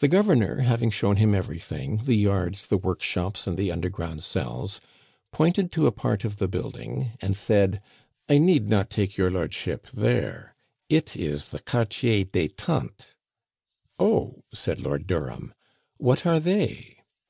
The governor having shown him everything the yards, the workshops, and the underground cells pointed to a part of the building, and said, "I need not take your Lordship there; it is the quartier des tantes." "Oh," said Lord Durham, "what are they!"